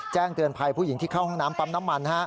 แจ้งเตือนภัยผู้หญิงที่เข้าห้องน้ำปั๊มน้ำมัน